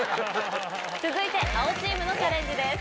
続いて青チームのチャレンジです。